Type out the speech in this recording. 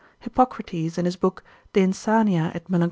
Hippocrates in his book de insania et melan.